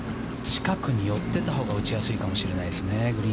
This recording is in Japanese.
近くに寄ってたほうが落ちやすいかもしれませんね